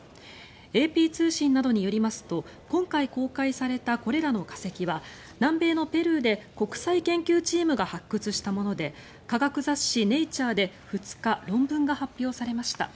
ＡＰ通信などによりますと今回公開されたこれらの化石は南米のペルーで国際研究チームが発掘したもので科学雑誌「ネイチャー」で２日、論文が発表されました。